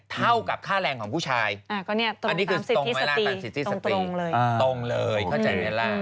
เท่ากับค่าแรงของผู้ชายอันนี้คือตรงเวลาตัดสิทธิสติตรงเลยเข้าใจไหมล่ะ